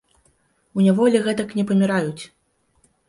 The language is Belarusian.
У няволі гэтак не паміраюць.